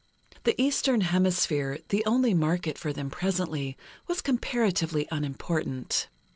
The Eastern Hemisphere, the only market for them presently, was comparatively unimportant.